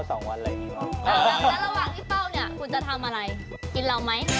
โอเค